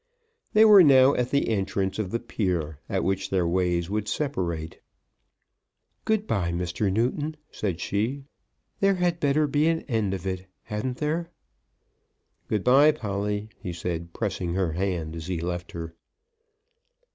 They were now at the entrance of the pier, at which their ways would separate. "Good bye, Mr. Newton," said she. "There had better be an end of it; hadn't there?" "Goodbye, Polly," he said, pressing her hand as he left her.